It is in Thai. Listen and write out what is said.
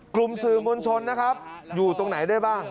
กลุ่มสื่อมวลชนนะครับอยู่ตรงไหนได้บ้าง